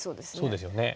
そうですよね。